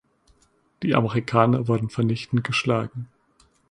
Die Amerikaner wurden vernichtend geschlagen.